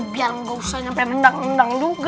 biar gak usah nyampe nendang nendang juga